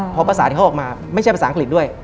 เพราะภาษาที่เขาออกมาไม่ใช่ภาษาอังกฤษด้วย